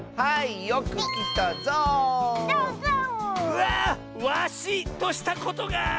うわワシとしたことが。